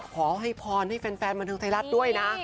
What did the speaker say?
ขอให้พรให้แฟนบรรทัยรัฐด้วยนะ